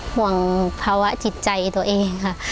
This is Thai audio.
ห่วงภาวะจิตใจตัวเองค่ะ